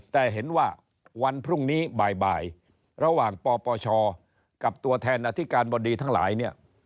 แต่เห็นว่าวันพรุ่งนี้บ่ายระหว่างปปชกับตัวแทนอธิการบดีทั้งหลายเนี่ย